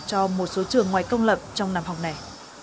cho một số trường ngoài công lập trong năm học này